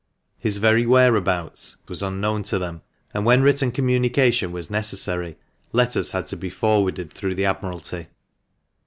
His very whereabouts was unknown to them, and when written communication was necessary, letters had to be forwarded through the Admiralty.